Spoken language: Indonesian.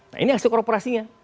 nah ini hasil korporasinya